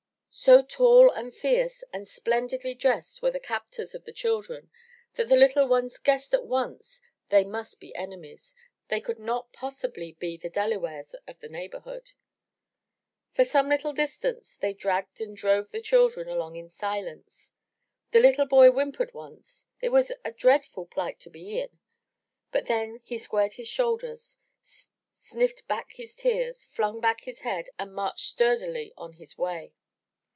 So tall and fierce and splendidly dressed were the captors of the children, that the little ones guessed at once they must be enemies. They could not possibly be the Delawares of the neighborhood. For some little distance, they dragged and drove the children along in silence. The little boy whimpered once — ^it was a dreadful plight to be in — ^but then he squared his shoulders, sniffed back his tears, flung back his head, and marched sturdily on his way.